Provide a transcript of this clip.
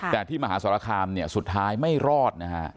แต่ที่มหาส์สละคามสุดท้ายไม่รอด